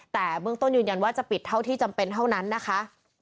แต่เบื้องต้นยืนยันว่าจะปิดเท่าที่จำเป็นเท่านั้นนะคะ